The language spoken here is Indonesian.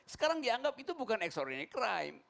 sekarang dianggap itu bukan extraordinary crime